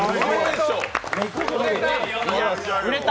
売れた。